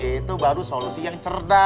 itu baru solusi yang cerdas